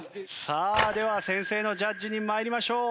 さあでは先生のジャッジに参りましょう。